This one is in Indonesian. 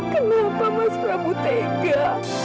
kenapa mas prabu tega